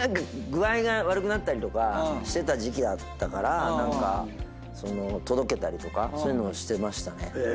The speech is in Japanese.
具合が悪くなったりとかしてた時期だったから何か届けたりとかそういうのしてましたね。